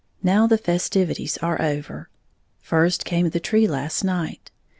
Now the festivities are over. First came the tree last night.